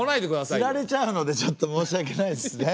つられちゃうのでちょっと申し訳ないですね。